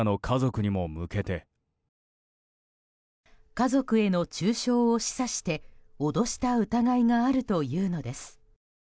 家族への中傷を示唆して脅した疑いがあるというのです。